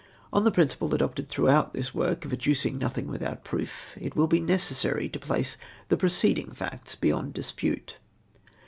r)n the ])rinciple adopted throughout this work, of adducing nothing without proof, it will be necessaiy to })lace the preceding facts beyond chs pute.